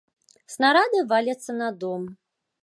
Снарады валяцца на дом!